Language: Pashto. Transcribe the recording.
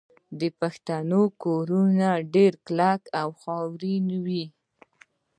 د پښتنو کورونه ډیر کلک او خاورین وي.